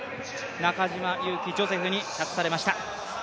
中島佑気ジョセフに託されました。